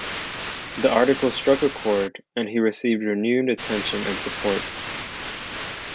The article struck a chord, and he received renewed attention and support.